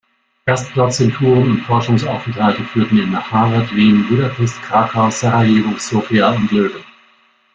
Gastdozenturen und Forschungsaufenthalte führten ihn nach Harvard, Wien, Budapest, Krakau, Sarajevo, Sofia und Leuven.